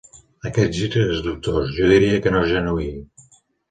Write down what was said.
Aquest gir és dubtós: jo diria que no és genuí.